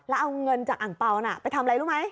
แล้วเอาเงินจากอ่างเปล่าน่ะไปทำอะไรรู้ไหม